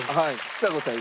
ちさ子さん